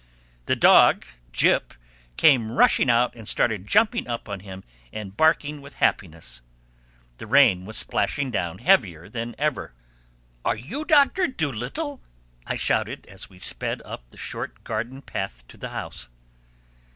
The dog, Jip, came rushing out and started jumping up on him and barking with happiness. The rain was splashing down heavier than ever. "Are you Doctor Dolittle?" I shouted as we sped up the short garden path to the house.